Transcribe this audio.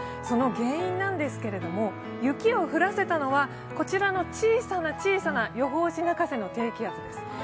その原因なんですけれども、雪を降らせたのはこちらの小さな小さな予報士泣かせの低気圧です。